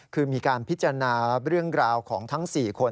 คือมีการพิจารณาเรื่องราวของทั้ง๔คน